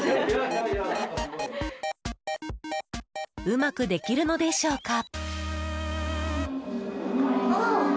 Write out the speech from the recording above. うまくできるのでしょうか？